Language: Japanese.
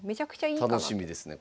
楽しみですね